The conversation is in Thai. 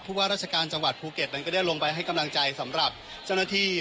ว่าราชการจังหวัดภูเก็ตนั้นก็ได้ลงไปให้กำลังใจสำหรับเจ้าหน้าที่